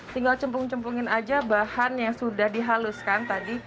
tinggal cempung cempungin aja bahan yang sudah dihaluskan tadi